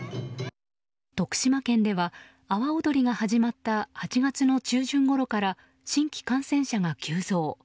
徳島県では阿波おどりが始まった８月の中旬ごろから新規感染者が急増。